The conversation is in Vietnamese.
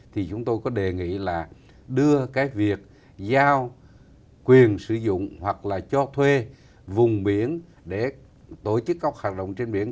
thì chúng tôi có đề nghị là đưa cái việc giao quyền sử dụng hoặc là cho thuê vùng biển để tổ chức các khách hàng